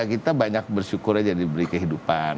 kita banyak bersyukur aja diberi kehidupan